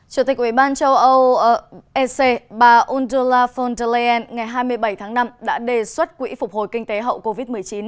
chủ tịch ủy ban châu âu ec bà uldula von der leyen ngày hai mươi bảy tháng năm đã đề xuất quỹ phục hồi kinh tế hậu covid một mươi chín